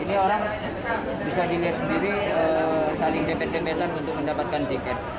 ini orang bisa dilihat sendiri saling dempet dempetan untuk mendapatkan tiket